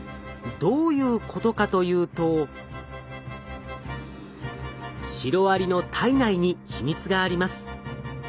どういうことかというとシロアリの体内に秘密があります。